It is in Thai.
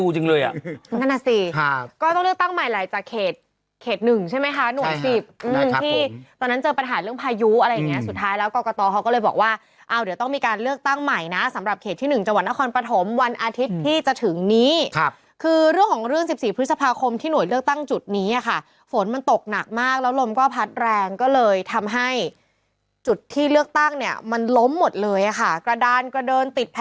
๑ใช่ไหมคะหน่วยจีบตอนนั้นเจอปัญหาเรื่องพายุอะไรเนี่ยสุดท้ายแล้วก่อกตอก็เลยบอกว่าอ้าวเดี๋ยวต้องมีการเลือกตั้งใหม่นะสำหรับเขตที่๑จัวรณครปฐมวันอาทิตย์ที่จะถึงนี้ค่ะคือเรื่องของเรื่องสิบสี่พฤษภาคมที่หน่วยเลือกตั้งจุดนี้อะค่ะฝนมันตกหนักมากแล้วลมก็พัดแรงก็เลยทำให้จุดท